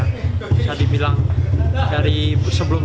bisa dibilang dari sebelum